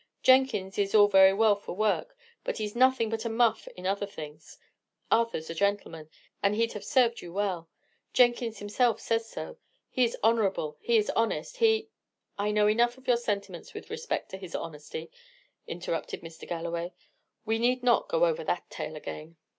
Jenkins is all very well for work, but he is nothing but a muff in other things. Arthur's a gentleman, and he'd have served you well. Jenkins himself says so. He is honourable, he is honest, he " "I know enough of your sentiments with respect to his honesty," interrupted Mr. Galloway. "We need not go over that tale again."